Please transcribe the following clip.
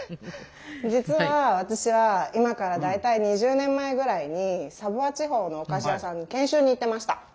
実は私は今から大体２０年前ぐらいにサヴォワ地方のお菓子屋さんに研修に行ってました。